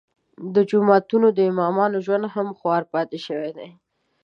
د جوماتونو د امامانو ژوند هم خوار پاتې شوی دی.